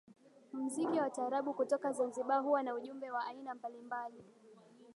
Mziki wa taarabu kutoka zanzibar huwa na ujumbe wa aina mbalimbali